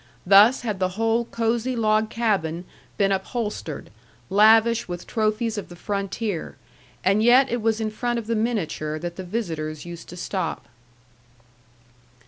Thus had the whole cosey log cabin been upholstered, lavish with trophies of the frontier; and yet it was in front of the miniature that the visitors used to stop.